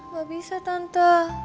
gak bisa tante